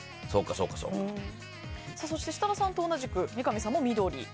そして、設楽さんと同じく三上さんも緑。